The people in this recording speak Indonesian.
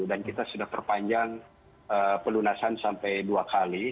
dan kita sudah perpanjang pelunasan sampai dua kali